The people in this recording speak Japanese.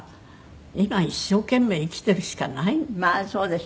今一生懸命生きてるしかないんですよね。